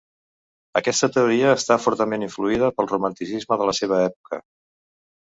Aquesta teoria està fortament influïda pel romanticisme de la seva època.